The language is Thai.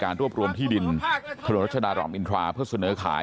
รวบรวมที่ดินถนนรัชดารอมอินทราเพื่อเสนอขาย